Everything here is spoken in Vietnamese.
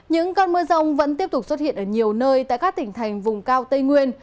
những cơn mưa rông vẫn tiếp tục xuất hiện ở nhiều nơi tại các tỉnh thành vùng cao tây nguyên